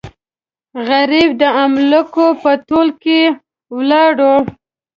غریب د املوکو په تول کې ولاړو.